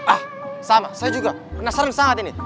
ah sama saya juga penasaran sangat ini